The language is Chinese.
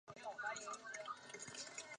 从家庭衔接职场